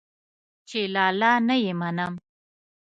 چې لالا نه يې منم.